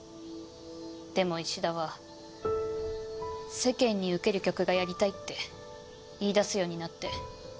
でも衣氏田は世間に受ける曲がやりたいって言いだすようになって。